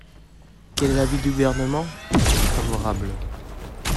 Quel est l’avis du Gouvernement ? Il est favorable.